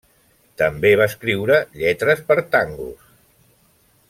També va escriure lletres per tangos.